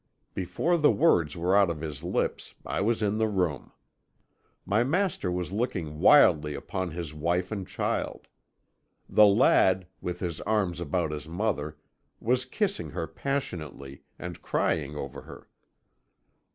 "Before the words were out of his lips, I was in the room. My master was looking wildly upon his wife and child. The lad, with his arms about his mother, was kissing her passionately, and crying over her.